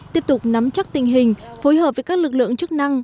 tiếp tục nắm chắc tình hình phối hợp với các lực lượng chức năng